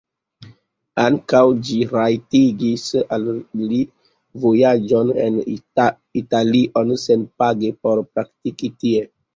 Ankaŭ ĝi rajtigis al li vojaĝon en Italion senpage por praktiki tie.